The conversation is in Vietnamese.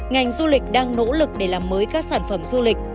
ngành du lịch đang nỗ lực để làm mới các sản phẩm du lịch